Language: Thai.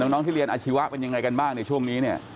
น้องที่เรียนอาชีวะเป็นยังไงกันบ้างในช่วงนี้เนี่ย